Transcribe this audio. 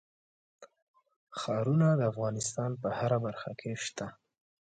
ښارونه د افغانستان په هره برخه کې شته.